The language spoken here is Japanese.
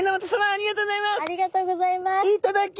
ありがとうございます！